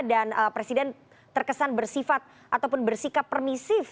dan presiden terkesan bersifat ataupun bersikap permisif